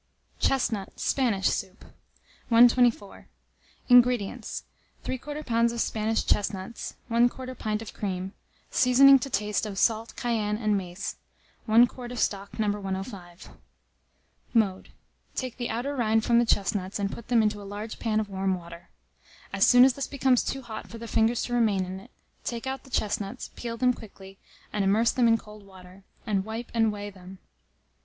CHESTNUT (SPANISH) SOUP. 124. INGREDIENTS. 3/4 lb. of Spanish chestnuts, 1/4 pint of cream; seasoning to taste of salt, cayenne, and mace; 1 quart of stock No. 105. Mode. Take the outer rind from the chestnuts, and put them into a large pan of warm water. As soon as this becomes too hot for the fingers to remain in it, take out the chestnuts, peel them quickly, and immerse them in cold water, and wipe and weigh them.